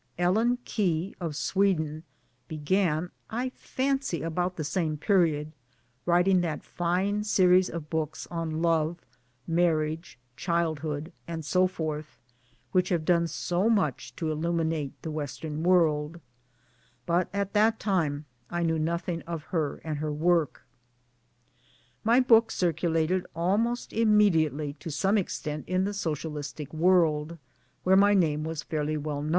Ellen Key, in Sweden, began I fancy about the same period writing that fine series of books on Love, Marriage, Childhood, and so forth, which have done so much to illuminate the Western World ; but at that time I knew nothing of her and her work. My book circulated almost immediately to some extent in the Socialistic world, where my name was fairly wel!